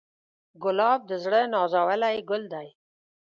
ګلاب د زړه نازولی ګل دی.